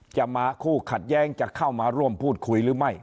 จะมาคู่ขัดแย้งจะเข้ามาร่วมพูดคุยหรือไม่